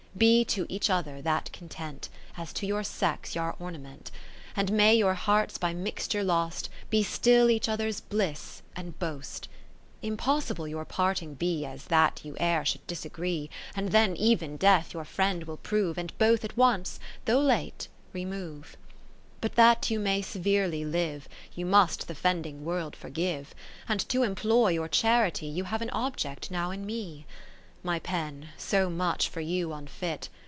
VII Be to each other that Content, As to your sex y' are ornament ; And may your hearts by mixture lost. Be still each other's bliss and boast. VIII Impossible your parting be As that you e'er should disagree ; 30 And then even Death your friend will prove, And both at once (though late) remove. IX But that you may severely ^ live. You must th' offending World for give, And to employ your charity. You have an object now in me. X My pen so much for you unfit.